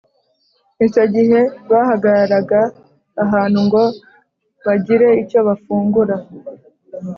Icyo igihe bahagararaga ahantu ngo bagire icyo bafungura